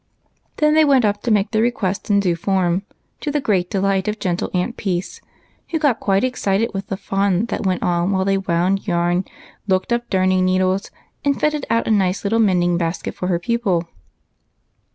Then they went up to make their request in due form, to the great delight of gentle Aunt Peace, w^ho got quite excited with the fun that went on while they w^ound yarn, looked up darning needles, and fitted out a nice little mending basket for her pupil.